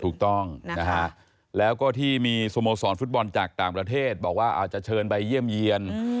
ถูกต้องนะฮะแล้วก็ที่มีสโมสรฟุตบอลจากต่างประเทศบอกว่าอาจจะเชิญไปเยี่ยมเยี่ยน